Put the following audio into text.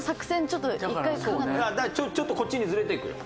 ちょっとこっちにズレていくよ。